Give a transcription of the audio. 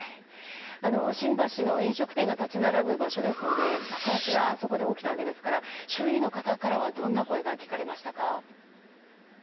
新橋の飲食店が立ち並ぶ場所で爆発がそこで起きたわけですから周囲の方からはどんな声が聞かれましたか。